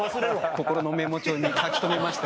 心のメモ帳に書き留めました。